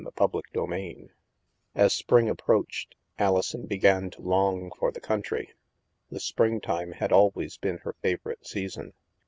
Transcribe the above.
CHAPTER VI As spring approached, Alison began to long for the country. The springtime had always been her favorite season.